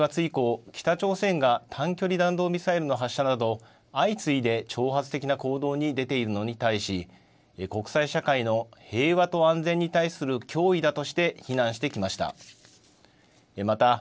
アメリカは去年９月以降、北朝鮮が短距離弾道ミサイルの発射など相次いで挑発的な行動に出ているのに対し、国際社会の平和と安全に対する脅威だとして非難してきました。